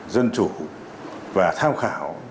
càng công khai dân chủ và tham khảo